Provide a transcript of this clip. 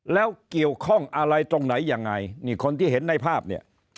แล้วเกี่ยวข้องอะไรตรงไหนยังไงนี่คนที่เห็นในภาพเนี่ย